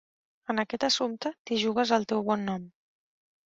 En aquest assumpte, t'hi jugues el teu bon nom.